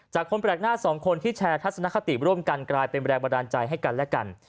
จากคนแปลกหน้า๒คนที่แชร์ทัศนคติร่วมกันกลายเป็นแบรนด์บรรจาให้กันและกัน